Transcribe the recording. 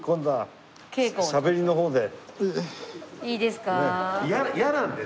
いいですか？